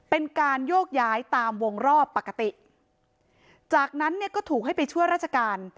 เป็นการโยกย้ายตามวงรอบปกติจากนั้นเนี่ยก็ถูกให้ไปช่วยราชการ